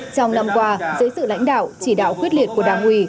trong năm qua dưới sự lãnh đạo chỉ đạo quyết liệt của đảng ủy